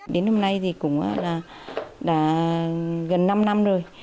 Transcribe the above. đến hôm nay thì cũng là gần năm năm rồi